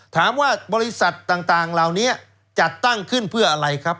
ถามว่าบริษัทต่างเหล่านี้จัดตั้งขึ้นเพื่ออะไรครับ